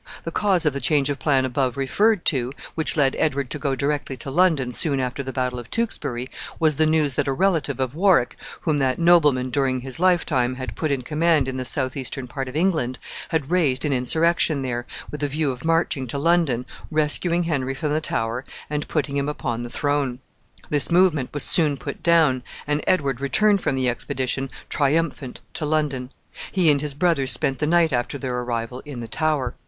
The cause of the change of plan above referred to, which led Edward to go directly to London soon after the battle of Tewkesbury, was the news that a relative of Warwick, whom that nobleman, during his lifetime, had put in command in the southeastern part of England, had raised an insurrection there, with a view of marching to London, rescuing Henry from the Tower, and putting him upon the throne. This movement was soon put down, and Edward returned from the expedition triumphant to London. He and his brothers spent the night after their arrival in the Tower.